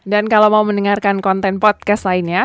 dan kalau mau mendengarkan konten podcast lainnya